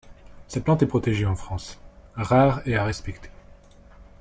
Cette plante est protégée en France, rare et à respecter.